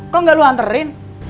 kok gak lu anterin